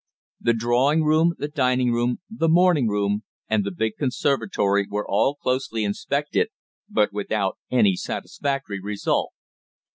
The drawing room, the dining room, the morning room, and the big conservatory were all closely inspected, but without any satisfactory result.